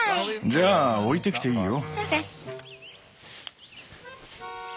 じゃあ置いてきていいよ。